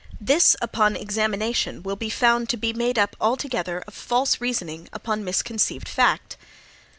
This, upon examination, will be found to be made up altogether of false reasoning upon misconceived fact.